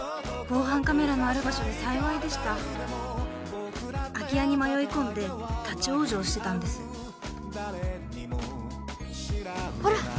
防犯カメラのある場所で幸いでした空き家に迷い込んで立ち往生してたんですほら